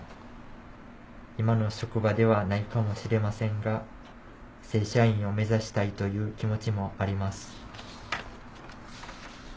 今の職場ではないかもしれませんが正社員を目指したいという気持ちもあります。